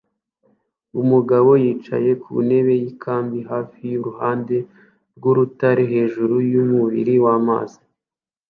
Umugabo yicaye ku ntebe yikambi hafi yuruhande rwurutare hejuru yumubiri wamazi